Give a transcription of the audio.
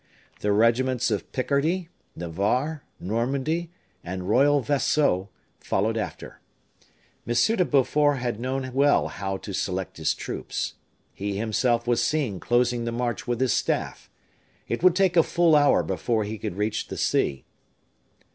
The regiments of Picardy, Navarre, Normandy, and Royal Vaisseau, followed after. M. de Beaufort had known well how to select his troops. He himself was seen closing the march with his staff it would take a full hour before he could reach the sea.